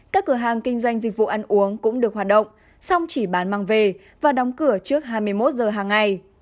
các cửa hàng kinh doanh dịch vụ ăn uống cũng được hoạt động xong chỉ bán mang về và đóng cửa trước hai mươi một giờ hàng ngày